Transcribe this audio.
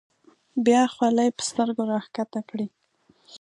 بیا خولۍ په سترګو راښکته کړي.